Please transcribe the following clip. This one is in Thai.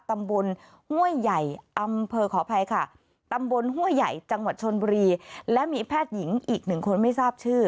ตำบลห้วยใหญ่อำเภอขออภัยค่ะตำบลห้วยใหญ่จังหวัดชนบุรีและมีแพทย์หญิงอีกหนึ่งคนไม่ทราบชื่อ